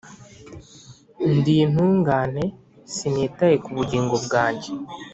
ndi intungane sinitaye ku bugingo bwanjye,